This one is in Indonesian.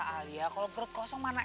alia kalau perut kosong mana